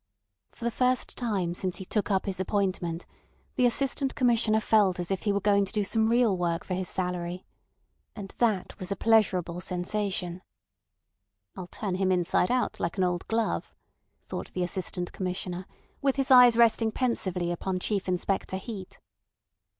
For the first time since he took up his appointment the Assistant Commissioner felt as if he were going to do some real work for his salary. And that was a pleasurable sensation. "I'll turn him inside out like an old glove," thought the Assistant Commissioner, with his eyes resting pensively upon Chief Inspector Heat.